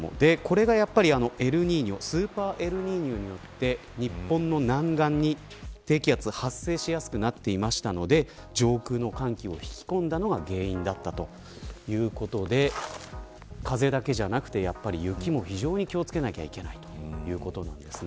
これがスーパーエルニーニョによって日本の南岸に低気圧が発生しやすくなっていましたので上空の寒気を引込んだのが原因だったということで風だけではなくて雪も非常に気を付けなきゃいけないということなんですね。